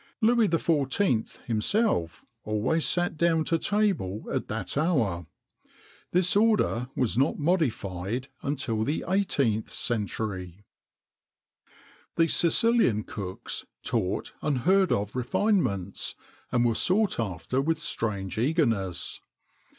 Louis XIV., himself, always sat down to table at that hour.[XXIX 66] This order was not modified until the 18th century. The Sicilian cooks taught unheard of refinements, and were sought after with strange eagerness.